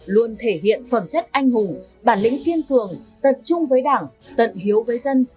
luôn thể hiện phẩm chất anh hùng bản lĩnh kiên cường tận trung với đảng tận hiếu với dân